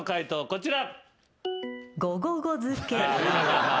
こちら。